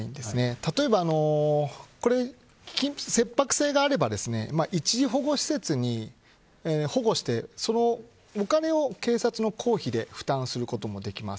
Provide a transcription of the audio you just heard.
例えば、切迫性があれば一時保護施設に保護してお金を警察の公費で負担することもできます。